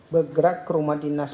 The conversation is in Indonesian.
bergerak ke rumah dinas